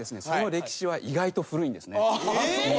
その歴史は意外と古いんですね。